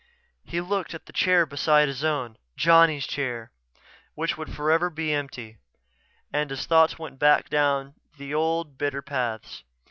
He looked at the chair beside his own, Johnny's chair, which would forever be empty, and his thoughts went back down the old, bitter paths.